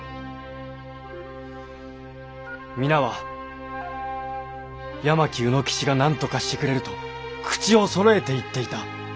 皆は八巻卯之吉がなんとかしてくれると口をそろえて言っていた。